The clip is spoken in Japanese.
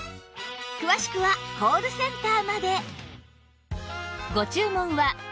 詳しくはコールセンターまで